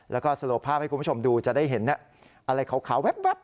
แล้วก็สโลภาพให้คุณผู้ชมดูจะได้เห็นอะไรขาวแว๊บ